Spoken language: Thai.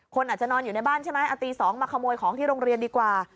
คนอาจจะนอนอยู่ในบ้านใช่ไหมเอาตี๒มาขโมยของที่โรงเรียนดีกว่า